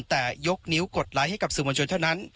แต่ยกนิ้วกดไลค์ให้กับสื่อมวลชนเท่านั้น